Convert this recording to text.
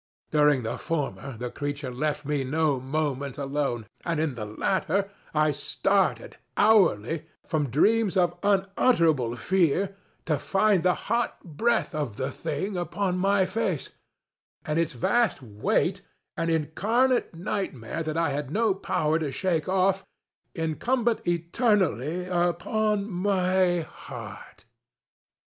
During the former the creature left me no moment alone, and in the latter I started hourly from dreams of unutterable fear to find the hot breath of the thing upon my face, and its vast weightŌĆöan incarnate nightmare that I had no power to shake offŌĆöincumbent eternally upon my _heart!